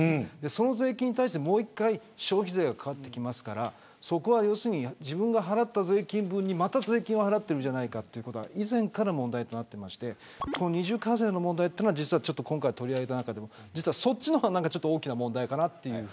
その税金に対して、もう１回消費税がかかってきますから要するに自分が払った税金分にまた税金を払っているということは以前から問題となっていまして二重課税の問題は今回、取り上げた中でもそっちの方が大きな問題かなと。